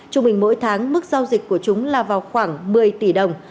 chúng mình mỗi tháng mức giao dịch của chúng là vào khoảng một mươi tỷ đồng